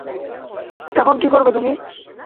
এখন কী করবে তুমি?